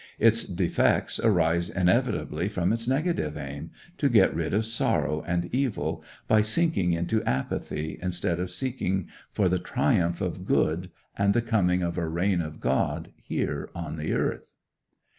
Its defects arise inevitably from its negative aim, to get rid of sorrow and evil by sinking into apathy, instead of seeking for the triumph of good and the coming of a reign of God here on the earth.